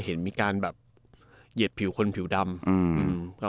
ที่มีการเหยียดผิวคนผิวดำ